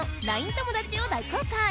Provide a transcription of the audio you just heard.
友だちを大公開